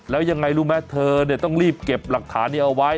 แล้วยังไงรู้ไหมเธอต้องรีบเก็บหลักฐานนี้เอาไว้